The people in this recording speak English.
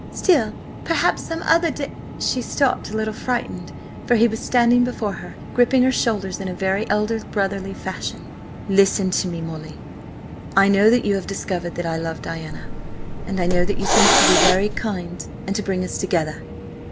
Still, perhaps some other d—" She stopped, a little frightened, for he was standing before her, gripping her shoulders in a very elder brotherly fashion. "Listen to me, Molly. I know that you have discovered that I love Diana, and I know that you think to be very kind and to bring us together.